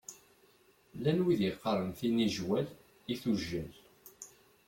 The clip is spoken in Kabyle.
Llan wid yeqqaṛen tinijwal i tujjal.